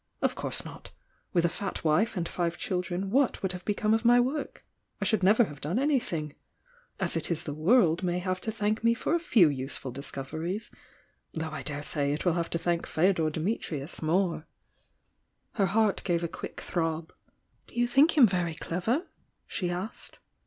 "Of course not! with a fat wife and five children what would have become of my work? I sh ^uld never have done anytliing. As it is the world may have to thank me for a few useful discoveries,— thougli I dare say it will have to thank F&dor Di mitrius more." THE YOUNG DIANA 225 Her heart gave a quick throb. ' Do you think him very clever?" she asked.